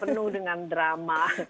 penuh dengan drama